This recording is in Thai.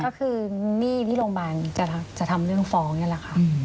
ก็คือหนี้ที่โรงพยาบาลจะทำเรื่องฟ้องนี่แหละค่ะ